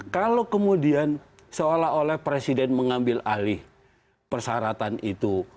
kalau kemudian seolah olah presiden mengambil alih persyaratan itu